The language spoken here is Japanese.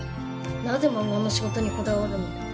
なぜ漫画の仕事にこだわるのだ。